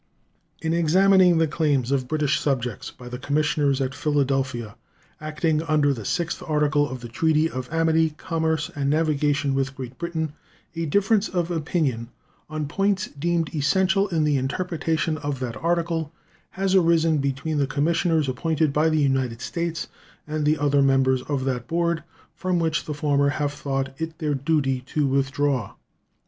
In examining the claims of British subjects by the commissioners at Philadelphia, acting under the 6th article of the treaty of amity, commerce, and navigation with Great Britain, a difference of opinion on points deemed essential in the interpretation of that article has arisen between the commissioners appointed by the United States and the other members of that board, from which the former have thought it their duty to withdraw.